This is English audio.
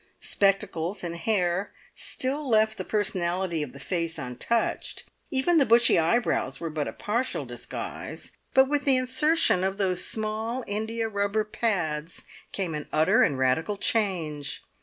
Spectacles and hair still left the personality of the face untouched; even the bushy eyebrows were but a partial disguise, but with the insertion of those small india rubber pads came an utter and radical change.